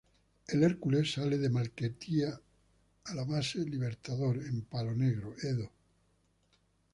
El Hercules sale de Maiquetía a la Base Libertador, en Palo Negro, Edo.